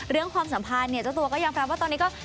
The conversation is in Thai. เรื่องความสัมภาพเจ้าตัวก็ยังพร้อมว่าตอนนี้ก็